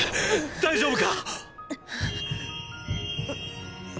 大丈夫か！